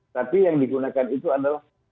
tapi yang digunakan itu adalah